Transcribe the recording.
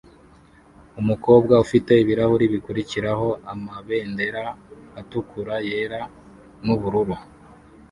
Umukobwa ufite ibirahuri bikurikiraho amabendera atukura yera nubururu